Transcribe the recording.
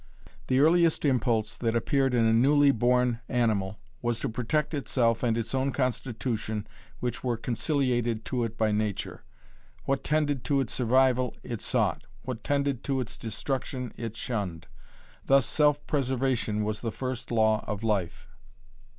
The earliest impulse that appeared in a newly born animal was to protect itself and its own constitution which were conciliated to it by nature. What tended to its survival, it sought; what tended to its destruction, it shunned. Thus self preservation was the first law of life.